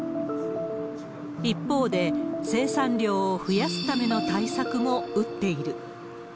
一方で、生産量を増やすための対策も打っている。